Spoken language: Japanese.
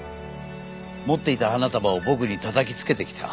持っていた花束を僕にたたきつけてきた。